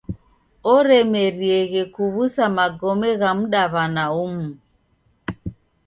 Oremerieghe kuw'usa magome gha mdaw'ana umu!